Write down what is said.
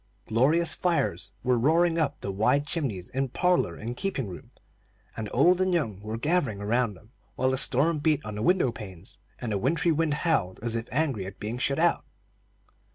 Glorious fires were roaring up the wide chimneys in parlor and keeping room, and old and young were gathering around them, while the storm beat on the window panes, and the wintry wind howled as if angry at being shut out.